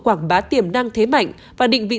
quảng bá tiềm năng thế mạnh và định vị